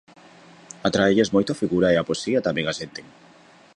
Atráelles moito a figura e a poesía tamén a senten.